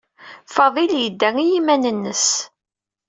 Fadil yedda i yiman-nnes.